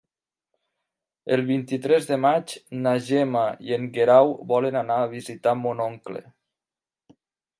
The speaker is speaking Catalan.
El vint-i-tres de maig na Gemma i en Guerau volen anar a visitar mon oncle.